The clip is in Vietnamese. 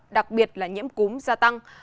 đặc biệt là nhiễm cúm gia tăng